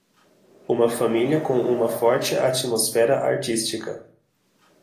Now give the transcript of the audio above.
uma família com uma forte atmosfera artística